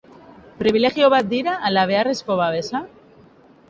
Pribilegio bat dira ala beharrezko babesa?